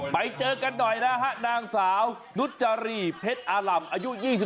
ไปเจอกันหน่อยนะฮะนางสาวนุจรีเพชรอาร่ำอายุ๒๒